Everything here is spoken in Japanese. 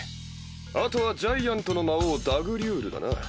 あとはジャイアントの魔王ダグリュールだな。